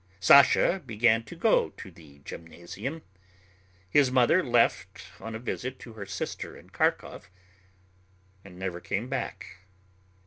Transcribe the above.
Sasha began to go to the gymnasium. His mother left on a visit to her sister in Kharkov and never came back.